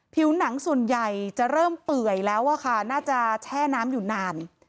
ผิวหนังส่วนใหญ่จะเริ่มเปื่อยแล้วอะค่ะน่าจะแช่น้ำอยู่นาน